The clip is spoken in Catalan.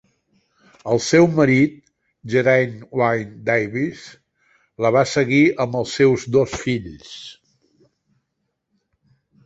El seu marit, Geraint Wyn Davies, la va seguir amb els seus dos fills.